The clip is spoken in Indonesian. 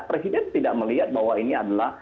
presiden tidak melihat bahwa ini adalah